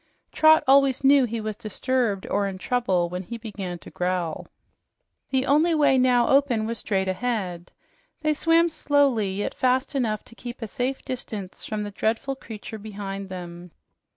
Trot always knew he was disturbed or in trouble when he began to "growl." The only way now open was straight ahead. They swam slowly, yet fast enough to keep a safe distance from the dreadful creature behind them.